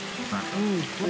うん。